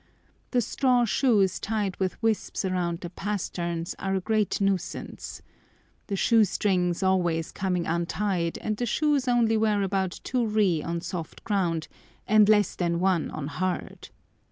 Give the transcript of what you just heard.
The straw shoes tied with wisps round the pasterns are a great nuisance. The "shoe strings" are always coming untied, and the shoes only wear about two ri on soft ground, and less than one on hard.